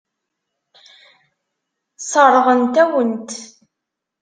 Sseṛɣent-awen-t.